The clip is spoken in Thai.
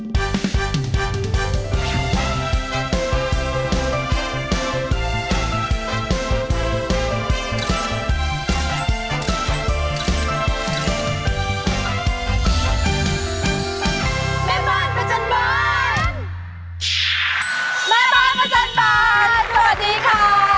อ๋อพี่สุดเก้าใจพูดสวัสดิ์ค่ะ